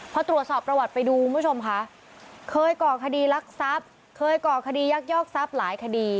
พอตรวจสอบประวัติไปดูคุณผู้ชมค่ะเคยก่อคดีรักทรัพย์เคยก่อคดียักยอกทรัพย์หลายคดี